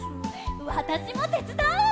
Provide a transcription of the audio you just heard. わたしもてつだう！